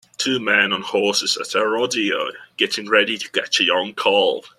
Two men on horses at a rodeo getting ready to catch a young calve.